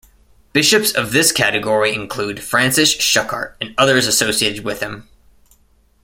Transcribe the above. Bishops of this category include Francis Schuckardt and others associated with him.